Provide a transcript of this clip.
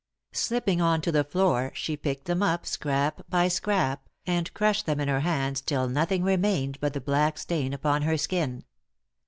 Slipping on to the floor, she picked them out, scrap by scrap, and crushed them in her hands, till nothing remained but the black stain upon her skin.